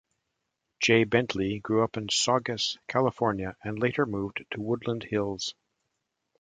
Jay Bentley grew up in Saugus, California, and later moved to Woodland Hills.